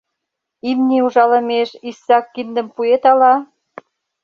Имне ужалымеш иссак киндым пуэт ала?